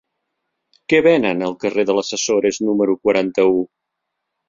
Què venen al carrer de les Açores número quaranta-u?